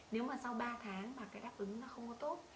nếu mà sau ba tháng mà cái đáp ứng nó không có tốt